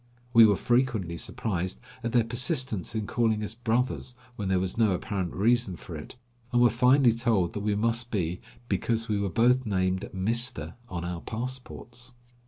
We were frequently surprised at their persistence in calling us brothers when there was no apparent reason for it, and were finally told that we must be "because we were both named Mister on our passports."